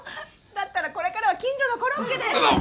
だったらこれからは近所のコロッケで。